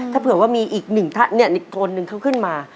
ถ้าเผื่อว่ามีอีกคนหนึ่งเข้าขึ้นมา